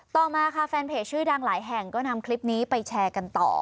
ต่อมาค่ะแฟนเพจชื่อดังหลายแห่งก็นำคลิปนี้ไปแชร์กันต่อ